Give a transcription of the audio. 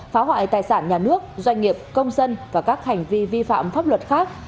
phá hoại tài sản nhà nước doanh nghiệp công dân và các hành vi vi phạm pháp luật khác